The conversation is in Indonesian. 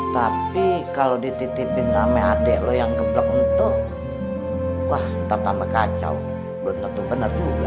tapi kalau dititipin nama adek lo yang geblok untuk wah tetap kacau bener bener juga